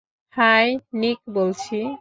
High, Nick বলছি।